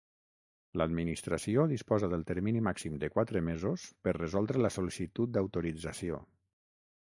L'Administració disposa del termini màxim de quatre mesos per resoldre la sol·licitud d'autorització.